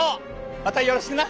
またよろしくな！